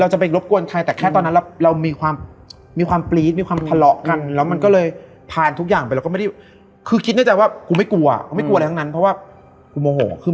หนังก็บอกว่าทำไมเกิดอะไรขึ้น